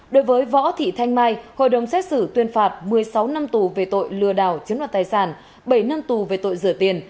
đối với võ thị thanh mai hội đồng xét xử tuyên phạt một mươi sáu năm tù về tội lừa đảo chiếm đoạt tài sản bảy năm tù về tội rửa tiền